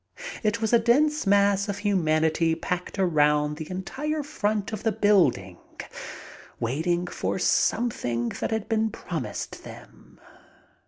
It was a dense mass of humanity packed around the entire front of the building, waiting for something that had been promised them.